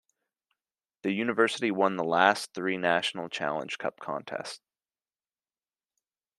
The university won the last three national Challenge Cup contest.